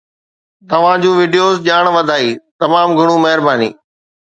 توهان جون وڊيوز ڄاڻ وڌائي، تمام گهڻو مهرباني